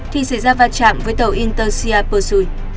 thì xảy ra va chạm với tàu intersea pursuit